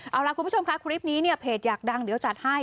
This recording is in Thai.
เอาล่ะคุณผู้ชมค่ะคลิปนี้เนี่ยเพจอยากดังเดี๋ยวจัดให้